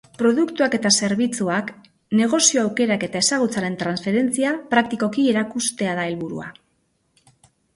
Produktuak eta zerbitzuak, negozio-aukerak eta ezagutzaren transferentzia praktikoki erakustea da helburua.